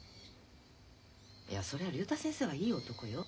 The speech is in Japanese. いやそりゃあ竜太先生はいい男よ。